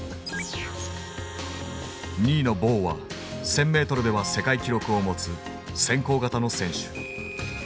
２位のボウは１，０００ｍでは世界記録を持つ先行型の選手。